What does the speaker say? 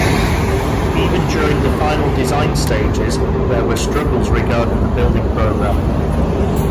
Even during the final design stages there were struggles regarding the building program.